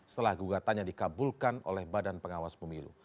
setelah gugatannya dikabulkan oleh badan pengawas pemilu